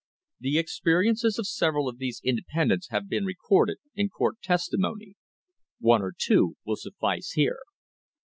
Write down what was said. * The experiences of several of these independents have been recorded in court testimony. One or two will suffice here.